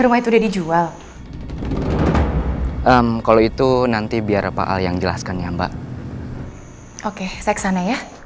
rumah itu udah dijual kalau itu nanti biar pak al yang jelaskan ya mbak oke saya kesana ya